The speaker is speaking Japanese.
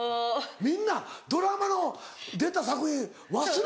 みんなドラマの出た作品忘れんの？